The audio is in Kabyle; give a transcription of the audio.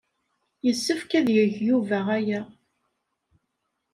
Yessefk ad yeg Yuba aya.